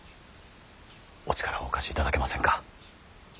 お力をお貸しいただけませんか。